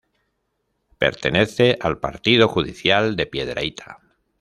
Pertenece al partido judicial de Piedrahíta.